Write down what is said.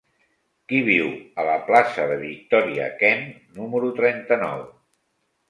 Qui viu a la plaça de Victòria Kent número trenta-nou?